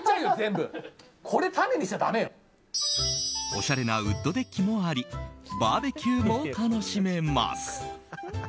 おしゃれなウッドデッキもありバーベキューも楽しめます。